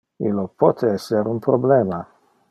Illo pote ser un problema.